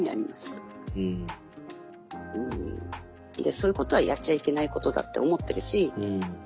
そういうことはやっちゃいけないことだって思ってるし